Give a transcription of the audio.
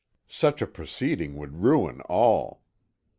Such a proceeding would ruin all.